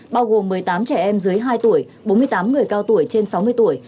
bao gồm một mươi tám trẻ em dưới hai tuổi bốn mươi tám người cao tuổi trên sáu mươi tuổi